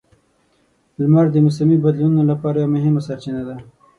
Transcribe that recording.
لمر د موسمي بدلونونو لپاره یوه مهمه سرچینه ده.